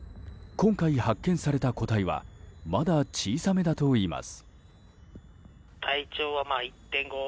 今回発見された個体はまだ小さめだといいます。